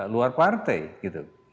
luar partai gitu